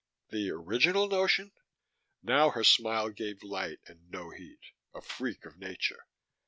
"The original notion?" Now her smile gave light and no heat, a freak of nature.